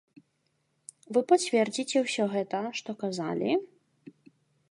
Вы пацвердзіце ўсё гэта, што казалі?